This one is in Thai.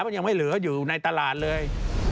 มันยังไม่เหลืออยู่ในตลาดเลย